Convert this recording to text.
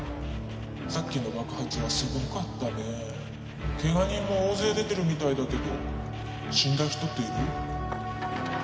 さっきの爆発はすごかったねケガ人も大勢出てるみたいだけど死んだ人っている？